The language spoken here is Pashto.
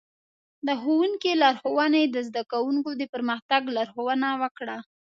د ښوونکي لارښوونې د زده کوونکو د پرمختګ لارښوونه وکړه.